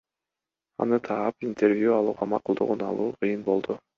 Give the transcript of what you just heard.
Аны таап, интервью алууга макулдугун алуу кыйын болду.